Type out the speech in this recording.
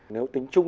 nếu tính chung